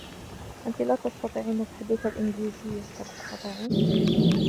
أنتِ لا تستطيعين تحدث الإنجليزية, هل تستطيعين؟